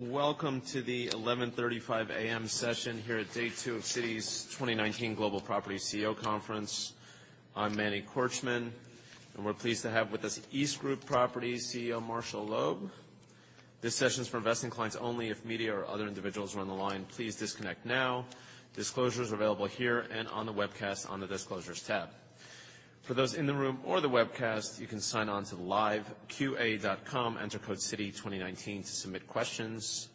Welcome to the 11:35 A.M. session here at day two of Citi 2019 Global Property CEO Conference. I'm Manny Korchman, and we're pleased to have with us EastGroup Properties CEO Marshall Loeb. This session's for investing clients only. If media or other individuals are on the line, please disconnect now. Disclosures are available here and on the webcast on the Disclosures tab. For those in the room or the webcast, you can sign on to liveqa.com, enter code CITI2019 to submit questions.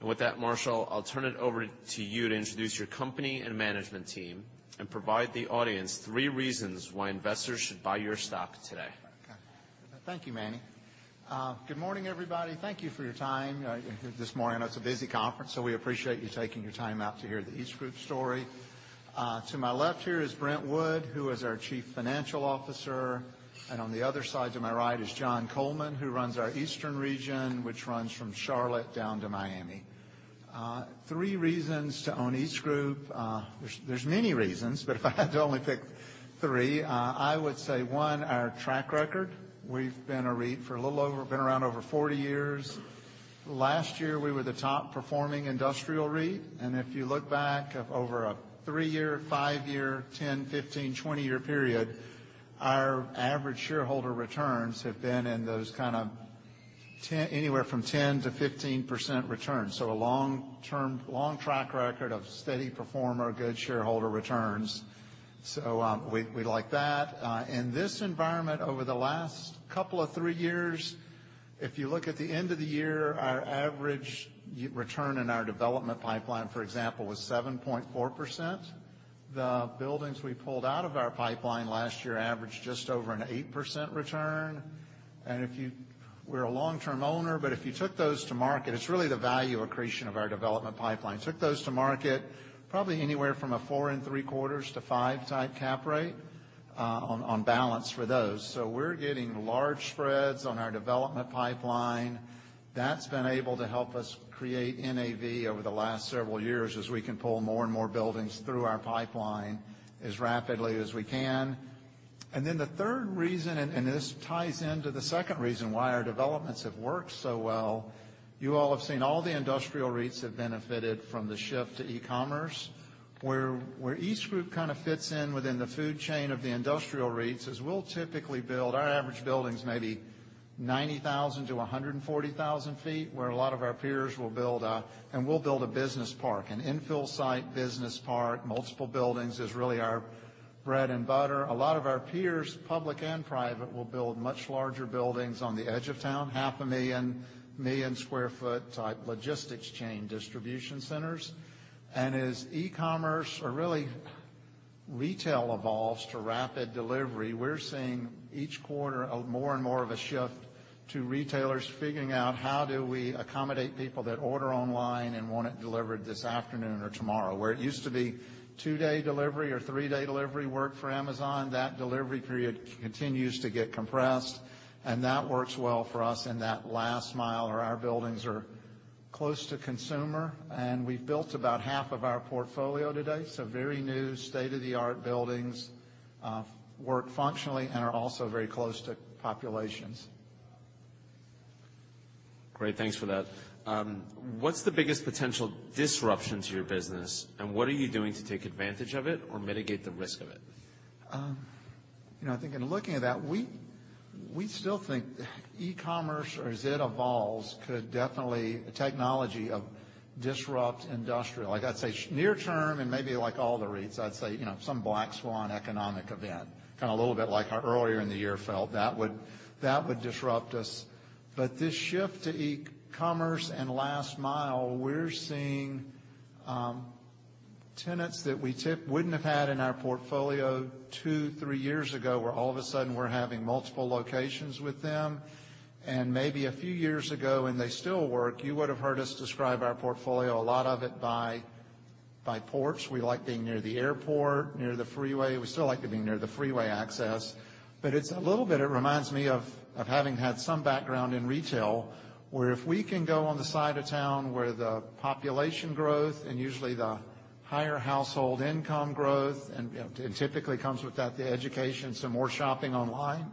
With that, Marshall, I'll turn it over to you to introduce your company and management team and provide the audience three reasons why investors should buy your stock today. Okay. Thank you, Manny. Good morning, everybody. Thank you for your time this morning. I know it's a busy conference, so we appreciate you taking your time out to hear the EastGroup story. To my left here is Brent Wood, who is our Chief Financial Officer, and on the other side to my right is John Coleman, who runs our eastern region, which runs from Charlotte down to Miami. Three reasons to own EastGroup. There's many reasons, but if I had to only pick three, I would say, one, our track record. We've been a REIT for a little over 40 years. Last year, we were the top-performing industrial REIT. If you look back over a three-year, five-year, 10, 15, 20-year period, our average shareholder returns have been in those anywhere from 10%-15% returns. A long track record of steady performer, good shareholder returns. We like that. In this environment over the last couple of three years, if you look at the end of the year, our average return in our development pipeline, for example, was 7.4%. The buildings we pulled out of our pipeline last year averaged just over an 8% return. We're a long-term owner, but if you took those to market, it's really the value accretion of our development pipeline. Took those to market, probably anywhere from a four and three quarters to 5 type cap rate on balance for those. We're getting large spreads on our development pipeline. That's been able to help us create NAV over the last several years as we can pull more and more buildings through our pipeline as rapidly as we can. Then the third reason, and this ties into the second reason why our developments have worked so well. You all have seen all the industrial REITs have benefited from the shift to e-commerce. Where EastGroup kind of fits in within the food chain of the industrial REITs is we'll typically build, our average building's maybe 90,000-140,000 feet. We'll build a business park. An infill site business park, multiple buildings is really our bread and butter. A lot of our peers, public and private, will build much larger buildings on the edge of town, half a million, 1 million square foot type logistics chain distribution centers. As e-commerce or really retail evolves to rapid delivery, we're seeing each quarter more and more of a shift to retailers figuring out how do we accommodate people that order online and want it delivered this afternoon or tomorrow. Where it used to be two-day delivery or three-day delivery worked for Amazon, that delivery period continues to get compressed, and that works well for us in that last mile where our buildings are close to consumer, and we've built about half of our portfolio to date, so very new state-of-the-art buildings. Work functionally and are also very close to populations. Great, thanks for that. What's the biggest potential disruption to your business, and what are you doing to take advantage of it or mitigate the risk of it? I think in looking at that, we still think e-commerce or as it evolves, could definitely, technology of disrupt industrial. I'd say near term and maybe all the REITs, I'd say, some black swan economic event. A little bit like how earlier in the year felt. That would disrupt us. This shift to e-commerce and last mile, we're seeing tenants that we wouldn't have had in our portfolio two, three years ago, where all of a sudden we're having multiple locations with them. Maybe a few years ago, and they still work, you would have heard us describe our portfolio, a lot of it by ports. We like being near the airport, near the freeway. We still like to be near the freeway access. It's a little bit, it reminds me of having had some background in retail, where if we can go on the side of town where the population growth and usually the higher household income growth and, typically comes with that, the education, some more shopping online.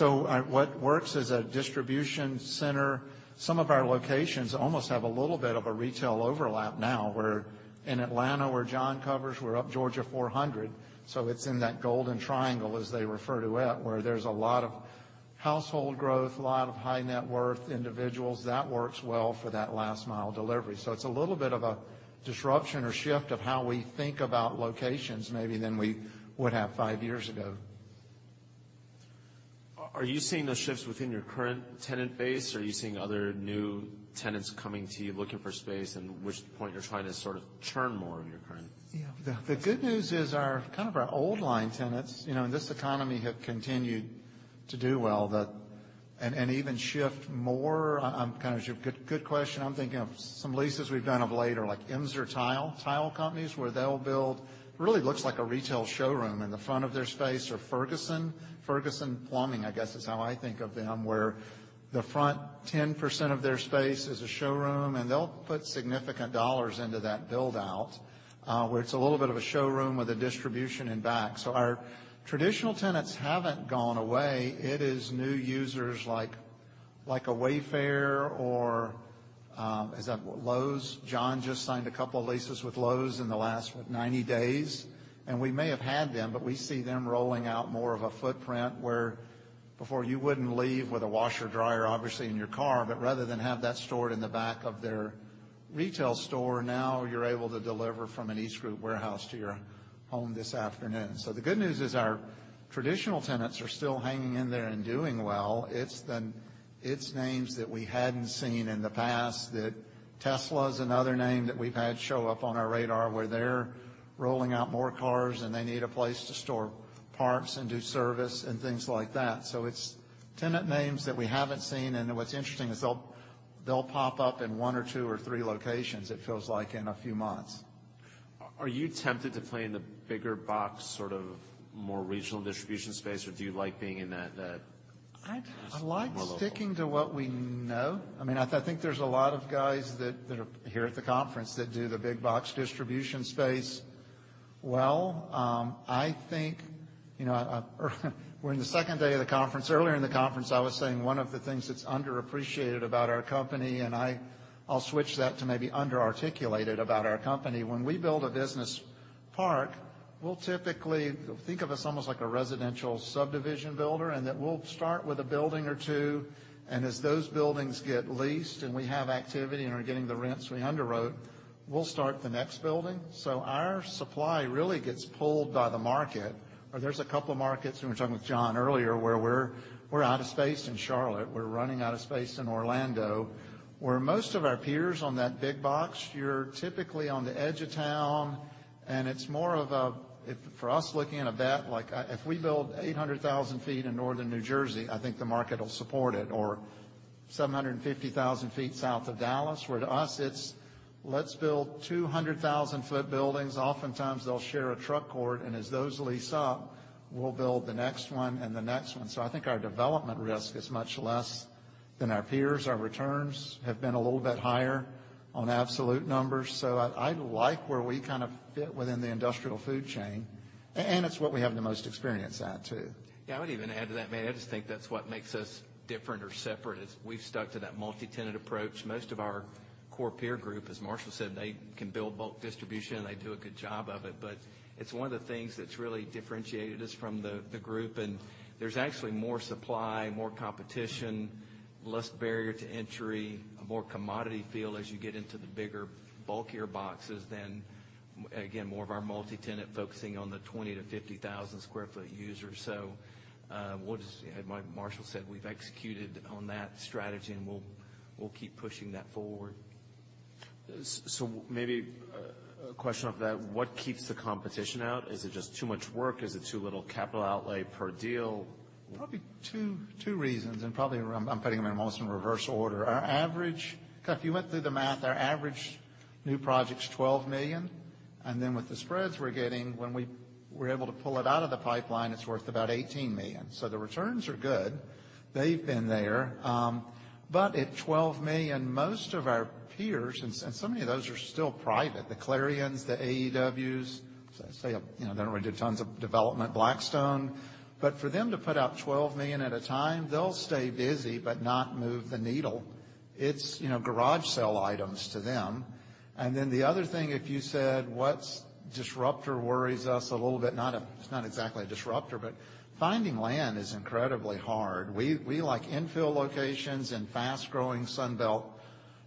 What works is a distribution center. Some of our locations almost have a little bit of a retail overlap now, where in Atlanta where John covers, we're up Georgia 400. It's in that golden triangle, as they refer to it, where there's a lot of household growth, a lot of high net worth individuals. That works well for that last mile delivery. It's a little bit of a disruption or shift of how we think about locations maybe than we would have five years ago. Are you seeing those shifts within your current tenant base, or are you seeing other new tenants coming to you looking for space at which point you're trying to sort of churn more of your current? Yeah. The good news is our old line tenants, in this economy, have continued to do well. Even shift more. Good question. I'm thinking of some leases we've done of late are like Emser Tile, tile companies where they'll build, really looks like a retail showroom in the front of their space or Ferguson. Ferguson Plumbing, I guess is how I think of them, where the front 10% of their space is a showroom, and they'll put significant dollars into that build-out. Where it's a little bit of a showroom with a distribution in back. Our traditional tenants haven't gone away. It is new users like a Wayfair or is that Lowe's? John just signed a couple leases with Lowe's in the last 90 days, and we may have had them, rather than have that stored in the back of their retail store, now you're able to deliver from an EastGroup warehouse to your home this afternoon. The good news is our traditional tenants are still hanging in there and doing well. It's names that we hadn't seen in the past. Tesla is another name that we've had show up on our radar, where they're rolling out more cars and they need a place to store parts and do service and things like that. It's tenant names that we haven't seen, and what's interesting is they'll pop up in one or two or three locations, it feels like, in a few months. Are you tempted to play in the bigger box, sort of more regional distribution space, or do you like being in that more local- I like sticking to what we know. I think there's a lot of guys that are here at the conference that do the big box distribution space well. We're in the second day of the conference. Earlier in the conference, I was saying one of the things that's underappreciated about our company, and I'll switch that to maybe under-articulated about our company. When we build a business park, we'll typically think of us almost like a residential subdivision builder in that we'll start with a building or two, and as those buildings get leased and we have activity and are getting the rents we underwrote, we'll start the next building. Our supply really gets pulled by the market. There's a couple of markets, and we were talking with John earlier, where we're out of space in Charlotte. We're running out of space in Orlando. Where most of our peers on that big box, you're typically on the edge of town, and it's more of a For us, looking at a bet, if we build 800,000 feet in Northern New Jersey, I think the market will support it, or 750,000 feet south of Dallas. Where to us it's let's build 200,000-foot buildings. Oftentimes they'll share a truck court, and as those lease up, we'll build the next one and the next one. I like where we kind of fit within the industrial food chain, and it's what we have the most experience at too. Yeah. I would even add to that, Manny, I just think that's what makes us different or separate is we've stuck to that multi-tenant approach. Most of our core peer group, as Marshall said, they can build bulk distribution and they do a good job of it. It's one of the things that's really differentiated us from the group. There's actually more supply, more competition, less barrier to entry, a more commodity feel as you get into the bigger, bulkier boxes than, again, more of our multi-tenant focusing on the 20,000 to 50,000 square foot users. As Marshall said, we've executed on that strategy and we'll keep pushing that forward. A question off that. What keeps the competition out? Is it just too much work? Is it too little capital outlay per deal? Two reasons, and I'm putting them almost in reverse order. If you went through the math, our average new project's $12 million. With the spreads we're getting, when we're able to pull it out of the pipeline, it's worth about $18 million. The returns are good. They've been there. At $12 million, most of our peers, and so many of those are still private, the Clarion's, the AEW's, they don't really do tons of development, Blackstone. For them to put up $12 million at a time, they'll stay busy but not move the needle. It's garage sale items to them. The other thing, if you said what disruptor worries us a little bit, it's not exactly a disruptor, finding land is incredibly hard. We like infill locations and fast-growing Sun Belt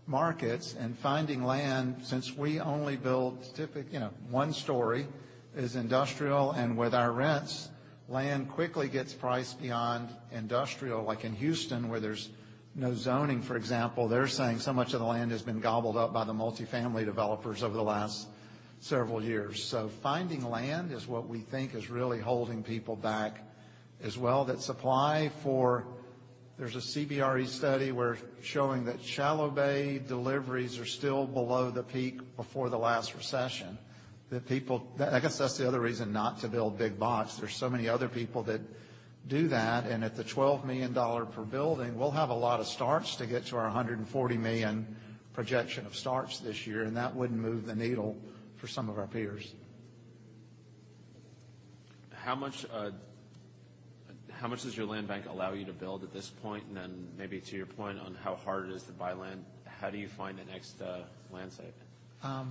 markets and finding land, since we only build one story is industrial. With our rents, land quickly gets priced beyond industrial. In Houston, where there's no zoning, for example, they're saying so much of the land has been gobbled up by the multifamily developers over the last several years. Finding land is what we think is really holding people back as well. That supply for There's a CBRE study where it's showing that shallow bay deliveries are still below the peak before the last recession. I guess that's the other reason not to build big-box. There's so many other people that do that, and at the $12 million per building, we'll have a lot of starts to get to our $140 million projection of starts this year, and that wouldn't move the needle for some of our peers. How much does your land bank allow you to build at this point? Maybe to your point on how hard it is to buy land, how do you find the next land site?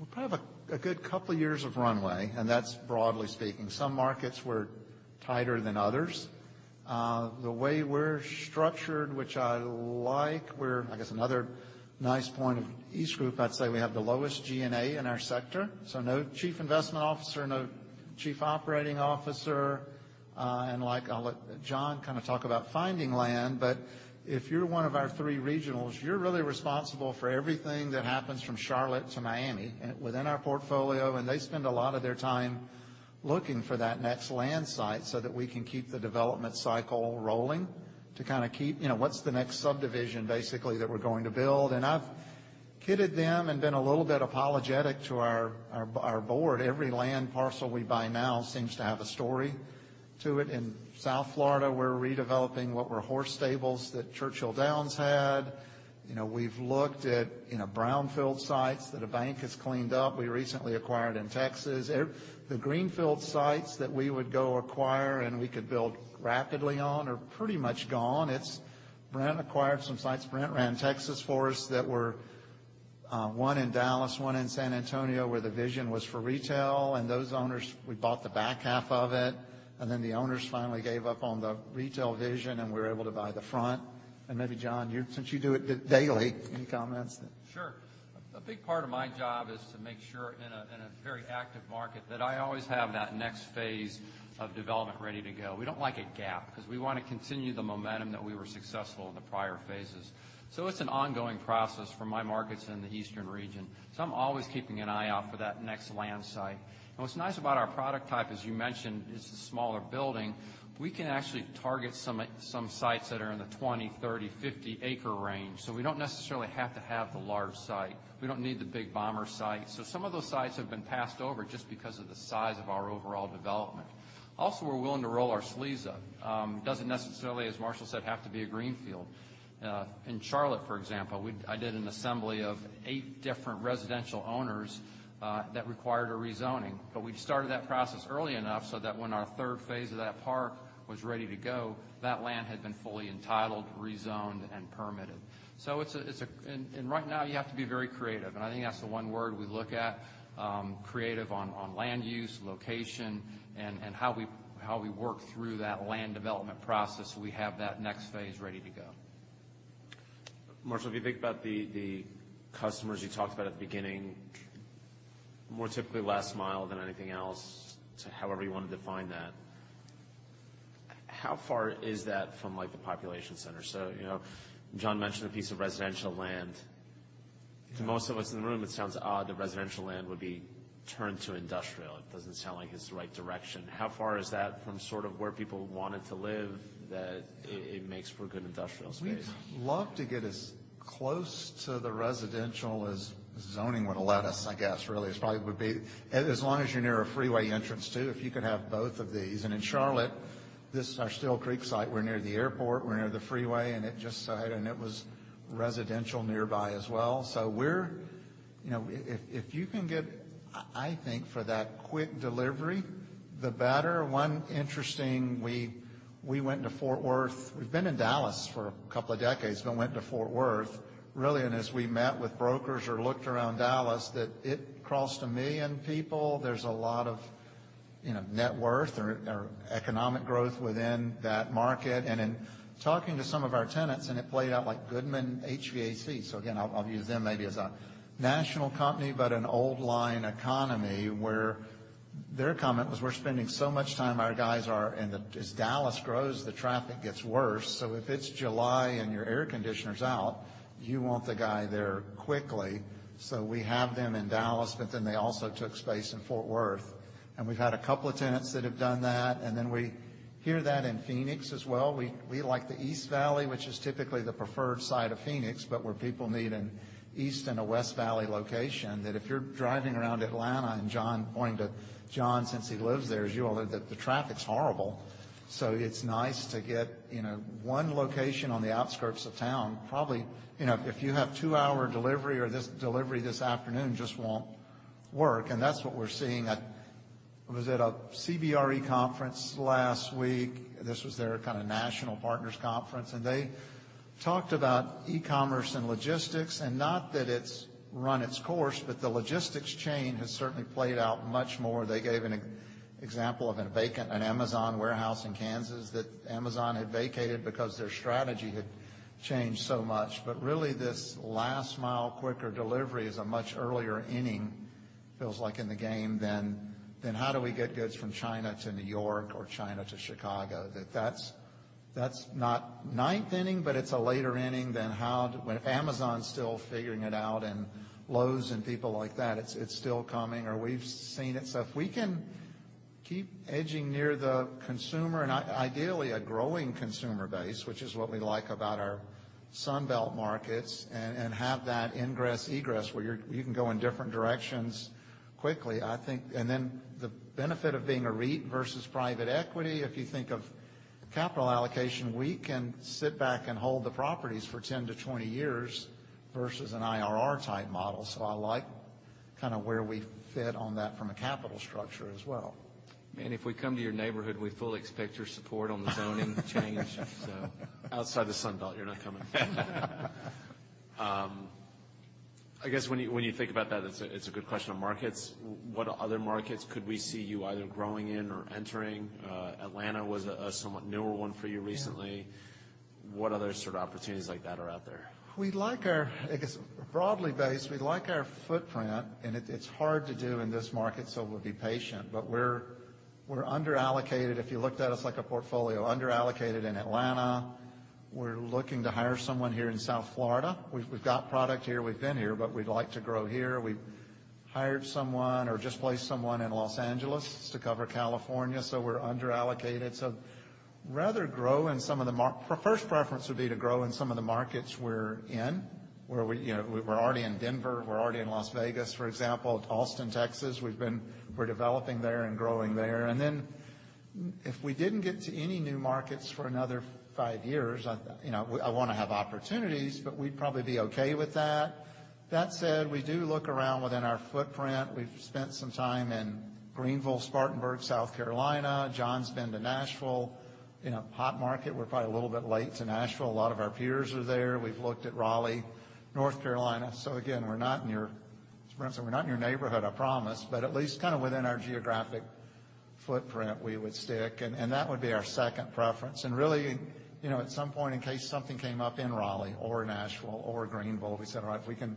We probably have a good couple years of runway, and that's broadly speaking. Some markets were tighter than others. The way we're structured, which I like, I guess another nice point of EastGroup Properties, I'd say we have the lowest G&A in our sector. No chief investment officer, no chief operating officer. I'll let John kind of talk about finding land. If you're one of our three regionals, you're really responsible for everything that happens from Charlotte to Miami within our portfolio. They spend a lot of their time looking for that next land site so that we can keep the development cycle rolling to kind of keep what's the next subdivision basically that we're going to build. I've kidded them and been a little bit apologetic to our board. Every land parcel we buy now seems to have a story to it. In South Florida, we're redeveloping what were horse stables that Churchill Downs had. We've looked at brownfield sites that a bank has cleaned up. We recently acquired in Texas. The greenfield sites that we would go acquire and we could build rapidly on are pretty much gone. Brent acquired some sites. Brent ran Texas for us that were one in Dallas, one in San Antonio, where the vision was for retail, and those owners, we bought the back half of it, and then the owners finally gave up on the retail vision, and we were able to buy the front. Maybe, John, since you do it daily, any comments? Sure. A big part of my job is to make sure in a very active market that I always have that next phase of development ready to go. We don't like a gap because we want to continue the momentum that we were successful in the prior phases. It's an ongoing process for my markets in the eastern region. I'm always keeping an eye out for that next land site. What's nice about our product type, as you mentioned, is the smaller building. We can actually target some sites that are in the 20, 30, 50 acre range. We don't necessarily have to have the large site. We don't need the big-box site. Some of those sites have been passed over just because of the size of our overall development. Also, we're willing to roll our sleeves up. It doesn't necessarily, as Marshall said, have to be a greenfield. In Charlotte, for example, I did an assembly of eight different residential owners that required a rezoning. We started that process early enough so that when our third phase of that park was ready to go, that land had been fully entitled, rezoned, and permitted. Right now, you have to be very creative, and I think that's the one word we look at. Creative on land use, location, and how we work through that land development process, so we have that next phase ready to go. Marshall, if you think about the customers you talked about at the beginning, more typically last mile than anything else to however you want to define that. How far is that from the population center? John mentioned a piece of residential land. To most of us in the room, it sounds odd that residential land would be turned to industrial. It doesn't sound like it's the right direction. How far is that from sort of where people wanted to live, that it makes for good industrial space? We'd love to get as close to the residential as zoning would let us, I guess, really. Long as you're near a freeway entrance, too. If you could have both of these. In Charlotte, this is our Steel Creek site. We're near the airport, we're near the freeway, and it was residential nearby as well. If you can get, I think, for that quick delivery, the better. We went to Fort Worth. We've been in Dallas for a couple of decades, but went to Fort Worth, really. As we met with brokers or looked around Dallas, that it crossed 1 million people. There's a lot of net worth or economic growth within that market. In talking to some of our tenants, it played out like Goodman HVAC. Again, I'll use them maybe as a national company, but an old line economy where their comment was, "We're spending so much time. As Dallas grows, the traffic gets worse." If it's July and your air conditioner's out, you want the guy there quickly. We have them in Dallas, but then they also took space in Fort Worth, and we've had a couple of tenants that have done that. We hear that in Phoenix as well. We like the East Valley, which is typically the preferred side of Phoenix, but where people need an east and a West Valley location, that if you're driving around Atlanta, and John, pointing to John, since he lives there, as you all know, the traffic's horrible. It's nice to get one location on the outskirts of town. Probably, if you have two hour delivery or delivery this afternoon just won't work. That's what we're seeing at a CBRE conference last week. This was their kind of national partners conference, and they talked about e-commerce and logistics. Not that it's run its course, but the logistics chain has certainly played out much more. They gave an example of an Amazon warehouse in Kansas that Amazon had vacated because their strategy had changed so much. Really, this last mile quicker delivery is a much earlier inning, feels like in the game than how do we get goods from China to New York or China to Chicago. That's not ninth inning, but it's a later inning than if Amazon's still figuring it out and Lowe's and people like that. It's still coming, or we've seen it. If we can keep edging near the consumer and ideally a growing consumer base, which is what we like about our Sun Belt markets, and have that ingress, egress, where you can go in different directions quickly. The benefit of being a REIT versus private equity. If you think of capital allocation, we can sit back and hold the properties for 10 to 20 years versus an IRR type model. I like kind of where we fit on that from a capital structure as well. If we come to your neighborhood, we fully expect your support on the zoning change. Outside the Sun Belt, you're not coming. I guess when you think about that, it's a good question on markets. What other markets could we see you either growing in or entering? Atlanta was a somewhat newer one for you recently. Yeah. What other sort of opportunities like that are out there? I guess broadly based, we like our footprint. It's hard to do in this market, so we'll be patient. We're under-allocated, if you looked at us like a portfolio, under-allocated in Atlanta. We're looking to hire someone here in South Florida. We've got product here. We've been here, but we'd like to grow here. We hired someone or just placed someone in Los Angeles to cover California. We're under-allocated. First preference would be to grow in some of the markets we're in, where we're already in Denver, we're already in Las Vegas, for example. Austin, Texas, we're developing there and growing there. If we didn't get to any new markets for another five years, I want to have opportunities, but we'd probably be okay with that. That said, we do look around within our footprint. We've spent some time in Greenville, Spartanburg, South Carolina. John's been to Nashville. Hot market. We're probably a little bit late to Nashville. A lot of our peers are there. We've looked at Raleigh, North Carolina. Again, Brent said, we're not in your neighborhood, I promise, but at least kind of within our geographic footprint, we would stick, and that would be our second preference. Really, at some point, in case something came up in Raleigh or Nashville or Greenville, we said, all right, we can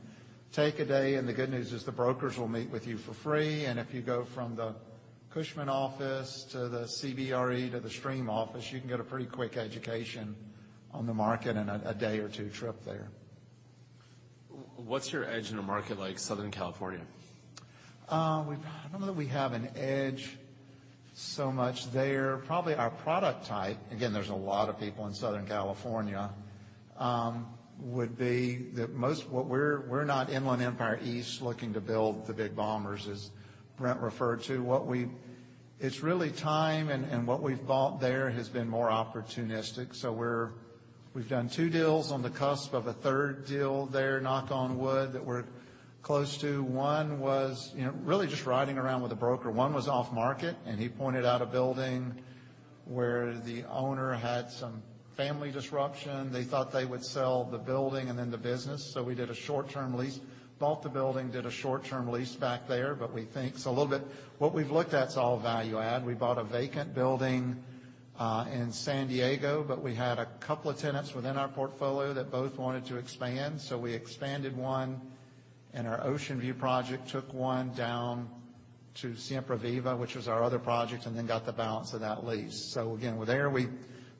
take a day. The good news is the brokers will meet with you for free. If you go from the Cushman office to the CBRE to the Stream office, you can get a pretty quick education on the market in a day or two trip there. What's your edge in a market like Southern California? I don't know that we have an edge so much there. Probably our product type, again, there's a lot of people in Southern California, would be that we're not Inland Empire East looking to build the big-box, as Brent referred to. It's really time. What we've bought there has been more opportunistic. We've done 2 deals on the cusp of a 3rd deal there, knock on wood, that we're close to. One was really just riding around with a broker. One was off-market. He pointed out a building where the owner had some family disruption. They thought they would sell the building and then the business. We bought the building, did a short-term lease back there. We think it's What we've looked at is all value add. We bought a vacant building in San Diego. We had a couple of tenants within our portfolio that both wanted to expand. We expanded one in our Ocean View project, took one down to Siempre Viva, which was our other project, got the balance of that lease. Again, there we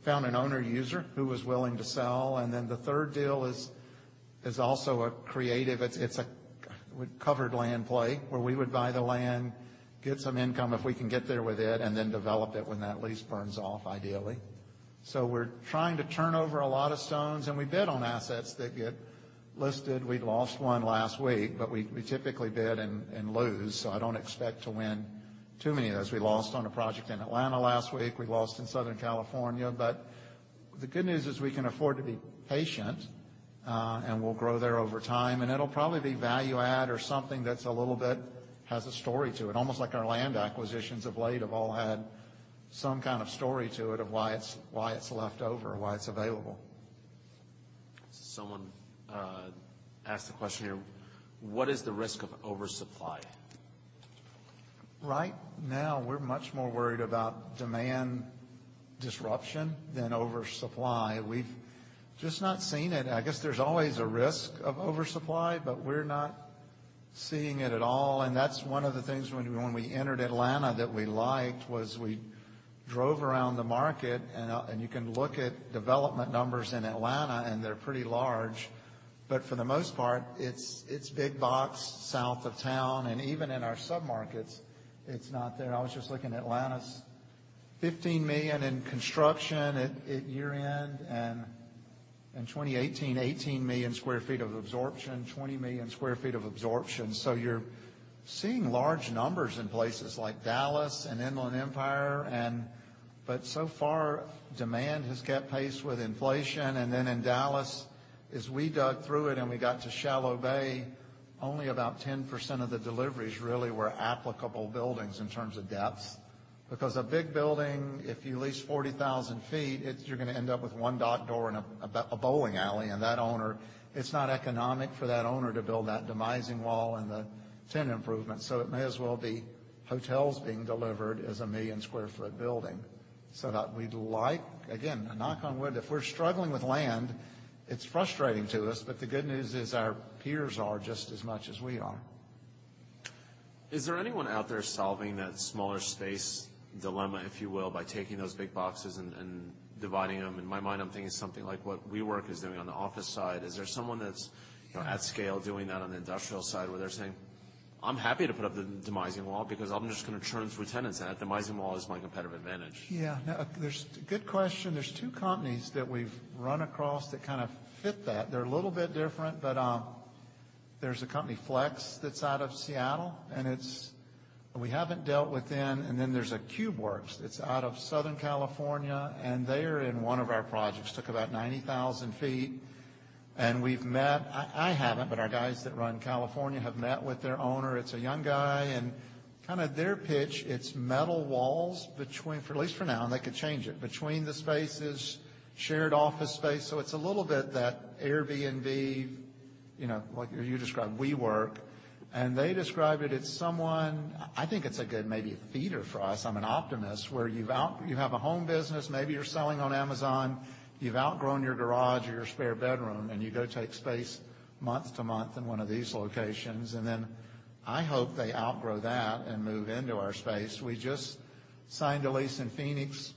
found an owner user who was willing to sell. The third deal is also a creative. It's a covered land play where we would buy the land, get some income if we can get there with it, develop it when that lease burns off, ideally. We're trying to turn over a lot of stones. We bid on assets that get listed. We lost one last week. We typically bid and lose, so I don't expect to win too many of those. We lost on a project in Atlanta last week. We lost in Southern California. The good news is we can afford to be patient, we'll grow there over time. It'll probably be value add or something that's a little bit has a story to it. Almost like our land acquisitions of late have all had some kind of story to it of why it's left over or why it's available. Someone asked the question here, what is the risk of oversupply? Right now, we're much more worried about demand disruption than oversupply. We've just not seen it. I guess there's always a risk of oversupply. We're not seeing it at all. That's one of the things when we entered Atlanta that we liked, was we drove around the market. You can look at development numbers in Atlanta, they're pretty large. For the most part, it's big box south of town, even in our sub-markets, it's not there. I was just looking. Atlanta's 15 million in construction at year-end, in 2018, 18 million sq ft of absorption, 20 million sq ft of absorption. You're seeing large numbers in places like Dallas and Inland Empire. So far, demand has kept pace with inflation. In Dallas, as we dug through it and we got to shallow bay, only about 10% of the deliveries really were applicable buildings in terms of depth. Because a big building, if you lease 40,000 feet, you're going to end up with one dock door and a bowling alley. It's not economic for that owner to build that demising wall and the tenant improvement. It may as well be hotels being delivered as a million square foot building. That we'd like, again, knock on wood, if we're struggling with land, it's frustrating to us. The good news is our peers are just as much as we are. Is there anyone out there solving that smaller space dilemma, if you will, by taking those big boxes and dividing them? In my mind, I'm thinking something like what WeWork is doing on the office side. Is there someone that's at scale doing that on the industrial side where they're saying, "I'm happy to put up the demising wall because I'm just going to churn through tenants, and that demising wall is my competitive advantage? Yeah. Good question. There's two companies that we've run across that kind of fit that. They're a little bit different, but there's a company, Flexe, that's out of Seattle, we haven't dealt with them. There's a Cubeworks that's out of Southern California, and they are in one of our projects. Took about 90,000 feet. We've met I haven't, but our guys that run California have met with their owner. It's a young guy, kind of their pitch, it's metal walls between, at least for now, and they could change it, between the spaces, shared office space. It's a little bit that Airbnb, like you described WeWork, they describe it as someone I think it's a good maybe feeder for us. I'm an optimist. Where you have a home business, maybe you're selling on Amazon, you've outgrown your garage or your spare bedroom, and you go take space month to month in one of these locations. I hope they outgrow that and move into our space. We just signed a lease in Phoenix,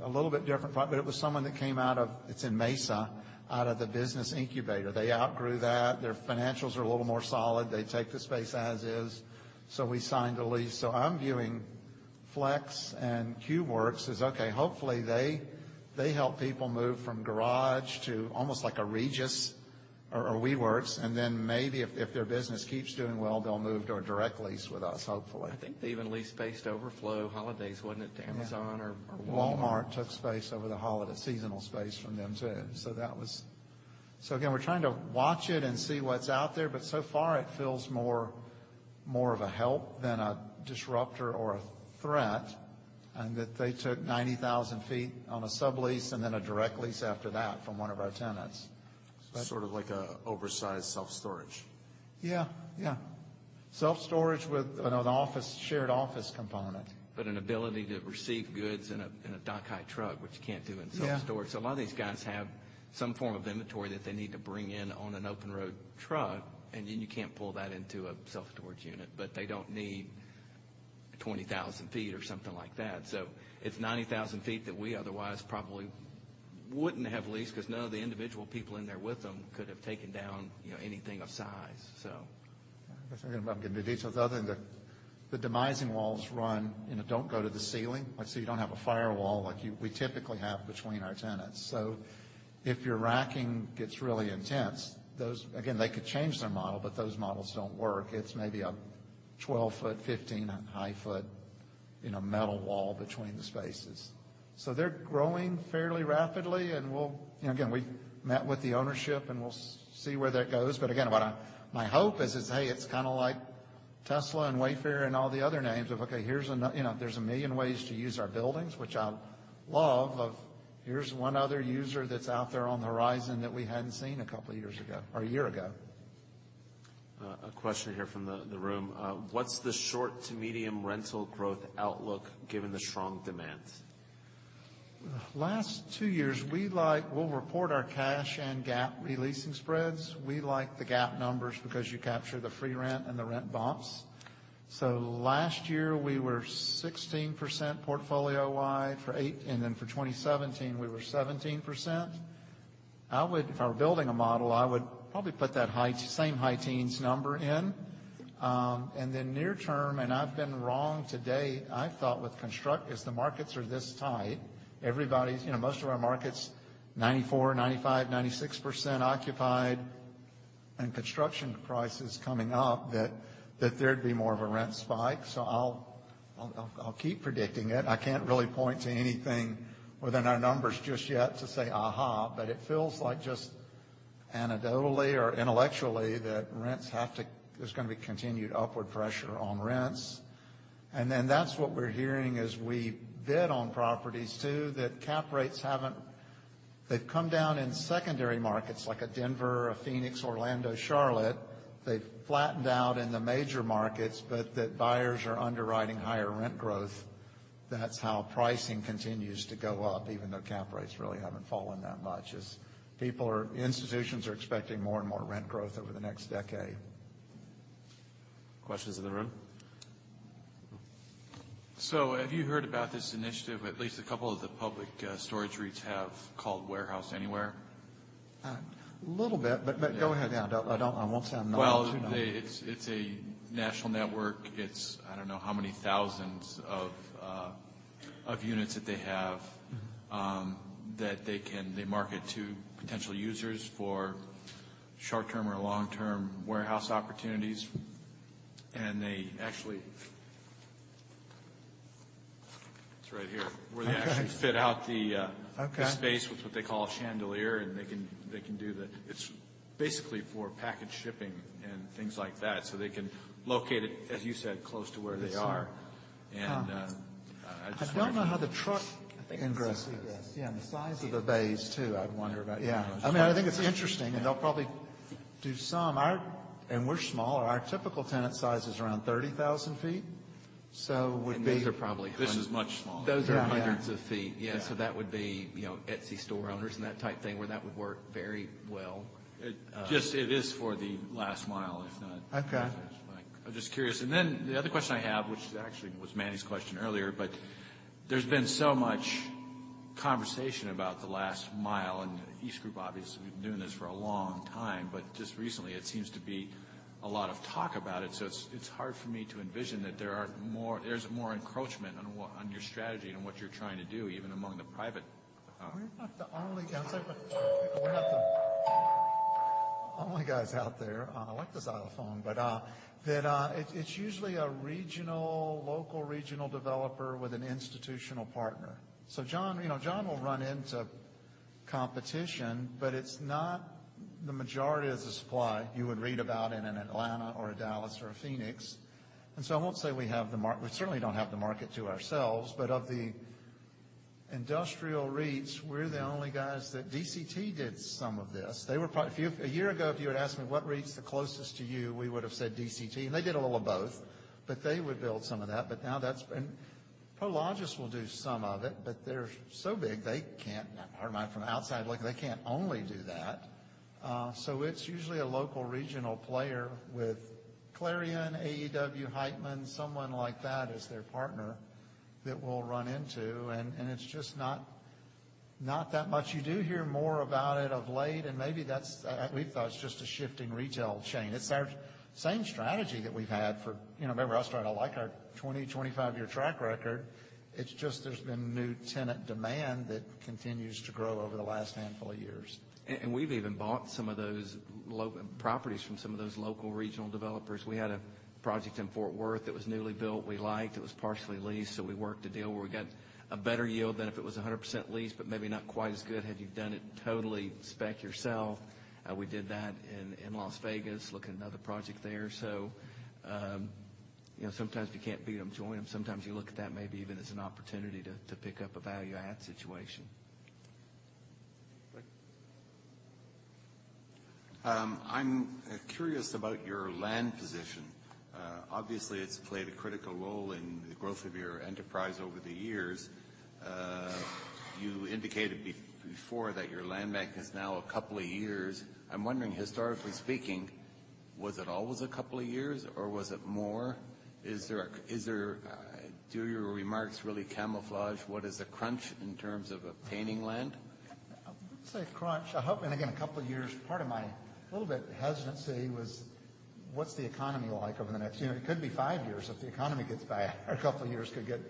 a little bit different, but it was someone that came out of, it's in Mesa, out of the business incubator. They outgrew that. Their financials are a little more solid. They take the space as is. We signed a lease. I'm viewing Flexe and Cubeworks as, okay, hopefully they help people move from garage to almost like a Regus or WeWork. Maybe if their business keeps doing well, they'll move to a direct lease with us, hopefully. I think they even lease space to overflow holidays, wouldn't it, to Amazon or Walmart. Walmart took space over the holiday, seasonal space from them too. Again, we're trying to watch it and see what's out there, but so far it feels more of a help than a disruptor or a threat, and that they took 90,000 feet on a sublease and then a direct lease after that from one of our tenants. Sort of like an oversized self-storage. Yeah. Self-storage with an shared office component. An ability to receive goods in a dock-high truck, which you can't do in self-storage. Yeah. A lot of these guys have some form of inventory that they need to bring in on an open road truck, and then you can't pull that into a self-storage unit. They don't need 20,000 feet or something like that. It's 90,000 feet that we otherwise probably wouldn't have leased because none of the individual people in there with them could have taken down anything of size. I was thinking about getting into details. The other thing, the demising walls run and don't go to the ceiling, you don't have a firewall like we typically have between our tenants. If your racking gets really intense, again, they could change their model, but those models don't work. It's maybe a 12 foot, 15 high foot metal wall between the spaces. They're growing fairly rapidly, and again, we met with the ownership, and we'll see where that goes. Again, my hope is, hey, it's kind of like Tesla and Wayfair and all the other names of, okay, there's a million ways to use our buildings, which I love. Of here's one other user that's out there on the horizon that we hadn't seen a couple of years ago or a year ago. A question here from the room. What's the short to medium rental growth outlook given the strong demand? Last two years, we'll report our cash and GAAP re-leasing spreads. We like the GAAP numbers because you capture the free rent and the rent bumps. Last year, we were 16% portfolio wide for eight, then for 2017, we were 17%. If I were building a model, I would probably put that same high teens number in. Near term, and I've been wrong to date, I thought with construct, as the markets are this tight, most of our market's 94%, 95%, 96% occupied and construction prices coming up, that there'd be more of a rent spike. I'll keep predicting it. I can't really point to anything within our numbers just yet to say aha, but it feels like just anecdotally or intellectually, that there's going to be continued upward pressure on rents. That's what we're hearing as we bid on properties too, that cap rates, they've come down in secondary markets like a Denver, a Phoenix, Orlando, Charlotte. They've flattened out in the major markets, but that buyers are underwriting higher rent growth. That's how pricing continues to go up, even though cap rates really haven't fallen that much, as institutions are expecting more and more rent growth over the next decade. Questions in the room? Have you heard about this initiative at least a couple of the public storage REITs have called Warehouse Anywhere? A little bit. Go ahead. Yeah. I won't sound knowledgeable, too. Well, it's a national network. I don't know how many thousands of units that they have that they market to potential users for short-term or long-term warehouse opportunities. They actually It's right here. Okay. Where they actually fit out the- Okay space with what they call a chandelier. It's basically for package shipping and things like that, so they can locate it, as you said, close to where they are. I see. I just wondered. I wonder how the truck ingress is. I think it's this, yes. Yeah, the size of the bays, too, I wonder about. I think it's interesting, and they'll probably do some. We're smaller. Our typical tenant size is around 30,000 feet. And those are probably- This is much smaller. Those are hundreds of feet. Yeah. That would be Etsy store owners and that type thing where that would work very well. It is for the last mile. Okay. I was just curious. The other question I have, which actually was Manny's question earlier, there's been so much conversation about the last mile, and EastGroup obviously has been doing this for a long time. Just recently, it seems to be a lot of talk about it. It's hard for me to envision that there's more encroachment on your strategy and what you're trying to do. We're not the only guys out there. I like the xylophone. It's usually a local regional developer with an institutional partner. John will run into competition, but it's not the majority of the supply you would read about in an Atlanta or a Dallas or a Phoenix. I won't say we have the market. We certainly don't have the market to ourselves. But of the industrial REITs, we're the only guys that DCT did some of this. A year ago, if you had asked me what REIT's the closest to you, we would have said DCT, and they did a little of both. They would build some of that. Prologis will do some of it, but they're so big, from an outside look, they can't only do that. It's usually a local regional player with Clarion, AEW, Heitman, someone like that as their partner that we'll run into, and it's just not that much. You do hear more about it of late, and maybe that's, we've thought, it's just a shifting retail chain. It's our same strategy that we've had for Remember, I started, I like our 20-25-year track record. It's just there's been new tenant demand that continues to grow over the last handful of years. We've even bought some of those properties from some of those local regional developers. We had a project in Fort Worth that was newly built. We liked. It was partially leased, so we worked a deal where we got a better yield than if it was 100% leased, but maybe not quite as good had you done it totally spec yourself. We did that in Las Vegas, looking at another project there. Sometimes if you can't beat them, join them. Sometimes you look at that maybe even as an opportunity to pick up a value add situation. I'm curious about your land position. Obviously, it's played a critical role in the growth of your enterprise over the years. You indicated before that your land bank is now a couple of years. I'm wondering, historically speaking, was it always a couple of years, or was it more? Do your remarks really camouflage what is a crunch in terms of obtaining land? I wouldn't say crunch. I hope, again, a couple of years, part of my little bit hesitancy was, what's the economy like over the next It could be five years if the economy gets bad, or a couple of years could get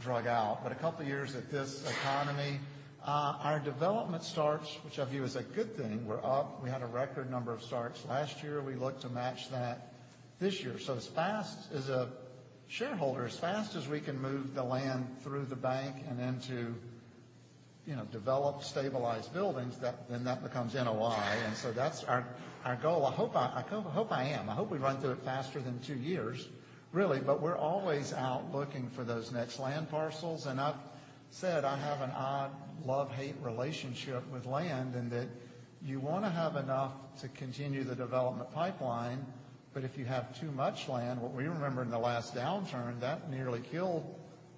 drug out. A couple of years at this economy. Our development starts, which I view as a good thing, we're up. We had a record number of starts last year. We look to match that this year. As fast as a shareholder, as fast as we can move the land through the bank and into developed, stabilized buildings, then that becomes NOI. That's our goal. I hope I am. I hope we run through it faster than two years, really. We're always out looking for those next land parcels. I've said I have an odd love-hate relationship with land, you want to have enough to continue the development pipeline, if you have too much land, what we remember in the last downturn, that nearly killed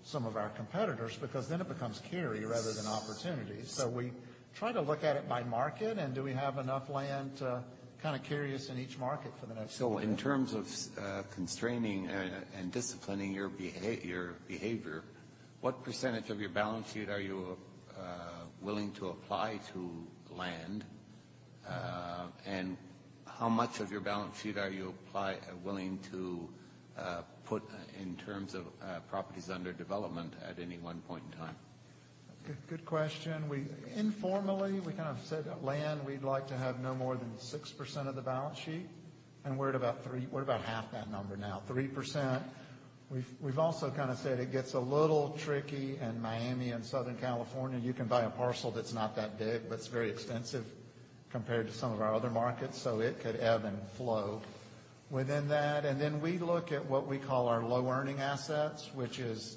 some of our competitors because then it becomes carry rather than opportunity. We try to look at it by market, do we have enough land to kind of carry us in each market. In terms of constraining and disciplining your behavior, what percentage of your balance sheet are you willing to apply to land? How much of your balance sheet are you willing to put in terms of properties under development at any one point in time? Good question. Informally, we kind of said land, we'd like to have no more than 6% of the balance sheet, we're at about half that number now, 3%. We've also kind of said it gets a little tricky in Miami and Southern California. You can buy a parcel that's not that big, but it's very expensive compared to some of our other markets. It could ebb and flow within that. Then we look at what we call our low earning assets, which is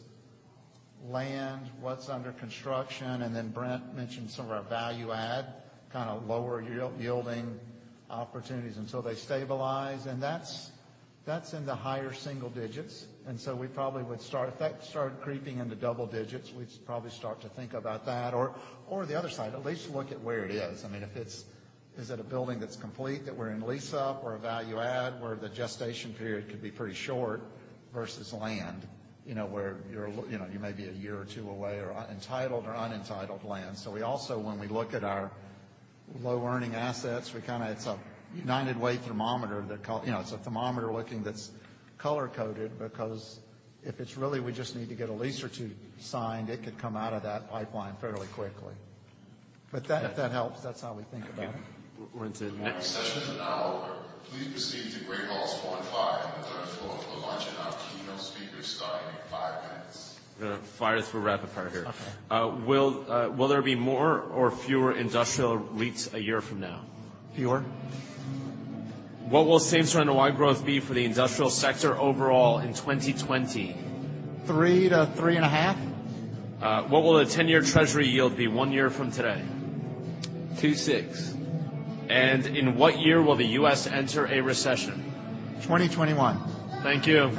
land, what's under construction, then Brent mentioned some of our value add, kind of lower yielding opportunities until they stabilize. That's in the higher single digits. We probably would start, if that started creeping into double digits, we'd probably start to think about that, or the other side, at least look at where it is. I mean, is it a building that's complete that we're in lease up or a value add where the gestation period could be pretty short versus land, where you may be a year or two away, or entitled or un-entitled land. We also, when we look at our low earning assets, it's a United Way thermometer. It's a thermometer looking that's color-coded because if it's really we just need to get a lease or two signed, it could come out of that pipeline fairly quickly. If that helps, that's how we think about it. Thank you. We're into the next- Session is now over. Please proceed to Great Hall 15 on the third floor for lunch. Our keynote speaker is starting in five minutes. I'm going to fire through rapid fire here. Okay. Will there be more or fewer industrial REITs a year from now? Fewer. What will same store NOI growth be for the industrial sector overall in 2020? Three to three and a half. What will the 10-year Treasury yield be one year from today? 2.6. In what year will the U.S. enter a recession? 2021. Thank you.